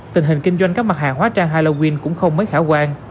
tình hình kinh doanh các mặt hàng hóa trang halloween cũng không mấy khả quan